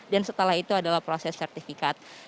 dan setelah itu adalah proses sertifikat